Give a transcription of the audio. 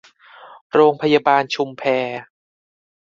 โรงพยาบาลชุมแพ